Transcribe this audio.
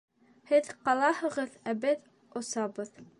— Һеҙ ҡалаһығыҙ, ә беҙ осабыҙ.